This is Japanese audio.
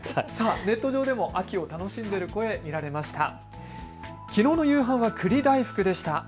ネット上でも秋を楽しんでいる声見られました。